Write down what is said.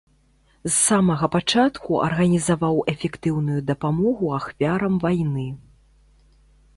З самага пачатку арганізаваў эфектыўную дапамогу ахвярам вайны.